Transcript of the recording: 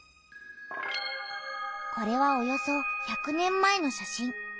これはおよそ１００年前の写真。